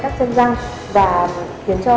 các chân răng và khiến cho